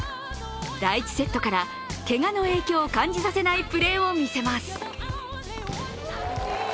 第１セットから、けがの影響を感じさせないプレーを見せます。